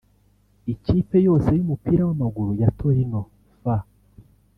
Ikipe yose y’umupira w’amaguru ya Torino F